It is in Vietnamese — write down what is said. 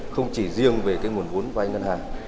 không chỉ riêng về nguồn vốn vai ngân hàng